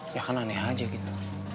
ya kan aneh aja gitu